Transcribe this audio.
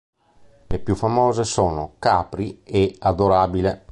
Le più famose sono "Capri" e "Adorabile".